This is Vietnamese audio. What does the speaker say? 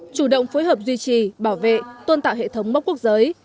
chủ động phối hợp duy trì bảo vệ tôn tạo hệ thống mốc quốc giới